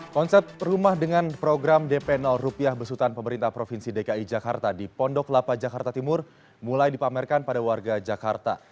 konsep rumah dengan program dp rupiah besutan pemerintah provinsi dki jakarta di pondok lapa jakarta timur mulai dipamerkan pada warga jakarta